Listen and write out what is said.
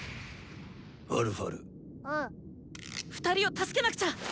２人を助けなくちゃ！